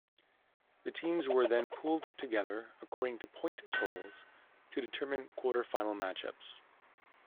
The teams were then pooled together, according to point totals, to determine quarter-final match-ups.